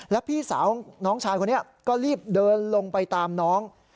แล้วพี่สาวน้องชายคนนี้ก็รีบเดินลงไปตามน้อง